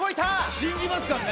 信じますからね。